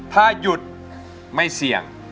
ถ้าหยุดไม่เสี่ยง